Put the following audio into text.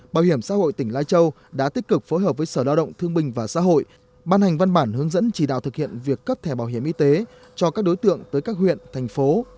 bảo hiểm xã hội tỉnh lai châu đã tích cực phối hợp với sở lao động thương binh và xã hội ban hành văn bản hướng dẫn chỉ đạo thực hiện việc cấp thẻ bảo hiểm y tế cho các đối tượng tới các huyện thành phố